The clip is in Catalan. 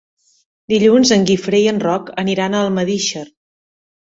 Dilluns en Guifré i en Roc aniran a Almedíxer.